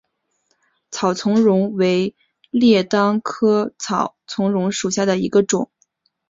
草苁蓉为列当科草苁蓉属下的一个种。